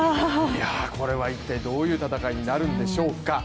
これは一体どういう戦いになるんでしょうか。